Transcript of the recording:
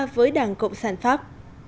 với đảng cộng sản pháp